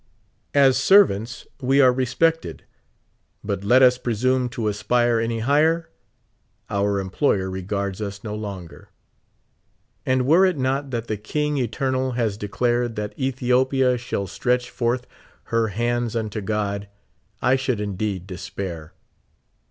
As servants, we are respected ; but let us presume to aspire any higher, our emploj^er regards us no longer. And were it not that the King Eternal has declared that Ethiopia shall stretch forth her hands unto God, I should indeed despair.